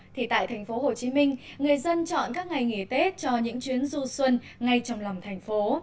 thì tại thành phố hồ chí minh người dân chọn các ngày nghỉ tết cho những chuyến du xuân ngay trong lòng thành phố